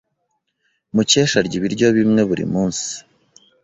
Mukesha arya ibiryo bimwe buri munsi.